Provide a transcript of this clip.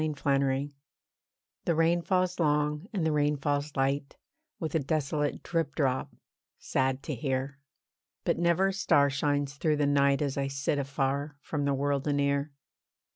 THE SEARCH The rain falls long, and the rain falls light, With a desolate drip drop, sad to hear. But never a star shines through the night As I sit afar, from the world anear.